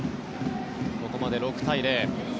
ここまで６対０。